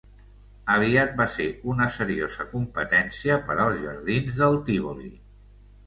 Aviat va ser una seriosa competència per als Jardins del Tívoli.